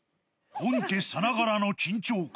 本家さながらの緊張感。